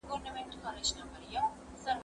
هغه څوک چې منډه وهي قوي کېږي؟